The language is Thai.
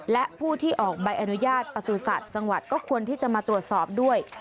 และผู้ที่ออกใบอนุญาตประสุทธิ์จังหวัดก็ควรที่จะมาตรวจสอบด้วย